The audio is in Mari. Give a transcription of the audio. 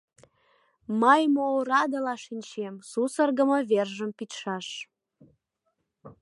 Мый мо орадыла шинчем, сусыргымо вержым пидшаш.